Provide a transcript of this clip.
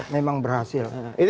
memang berhasil pak jokowi